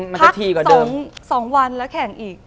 มันจะทีกว่าเดิมอเรนนี่พัก๒วันแล้วแข่งอีก